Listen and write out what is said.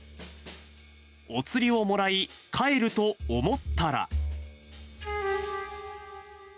お釣りをもらい、帰ると思ったら。